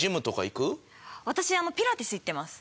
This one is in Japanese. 私ピラティス行ってます。